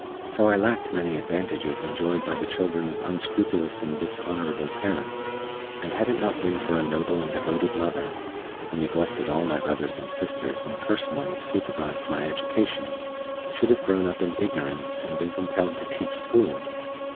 So I lacked many advantages enjoyed by the children of unscrupulous and dishonorable parents, and had it not been for a noble and devoted mother, who neglected all my brothers and sisters and personally supervised my education, should have grown up in ignorance and been compelled to teach school.